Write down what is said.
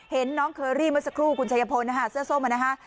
เห็นน้องเคอรี่เมื่อสักครู่คุณชายพลนะฮะเสื้อส้มนะฮะ